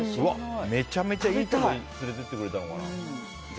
めちゃめちゃいいところ連れて行ってくれたのかな。